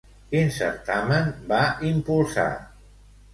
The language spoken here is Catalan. Quin certamen va impulsar?